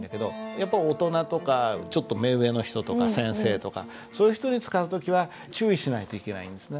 やっぱ大人とかちょっと目上の人とか先生とかそういう人に使う時は注意しないといけないんですね。